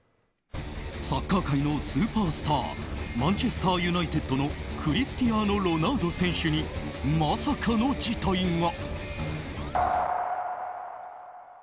サッカー界のスーパースターマンチェスター・ユナイテッドのクリスティアーノ・ロナウド選手にまさかの事態が。